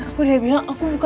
aku udah bilang